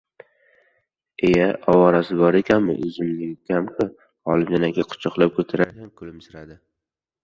lye, ovorasi bor ekanmi, o‘zimning ukam-ku, - Olimjon aka quchoqlab ko‘tararkan, kulimsiradi.